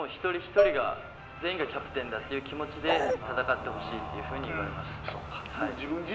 一人一人が「全員がキャプテンだ」という気持ちで戦ってほしいと言われました。